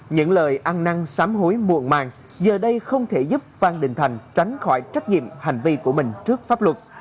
những lời ăn năng xám hối muộn màng giờ đây không thể giúp phan đình thành tránh khỏi trách nhiệm hành vi của mình trước pháp luật